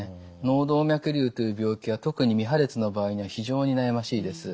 脳動脈瘤という病気は特に未破裂の場合には非常に悩ましいです。